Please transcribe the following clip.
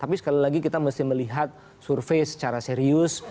tapi sekali lagi kita mesti melihat survei secara serius